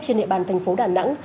trên địa bàn thành phố đà nẵng